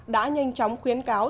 đã nhanh chóng khuyến cáo